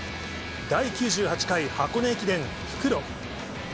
第９８回箱根駅伝復路。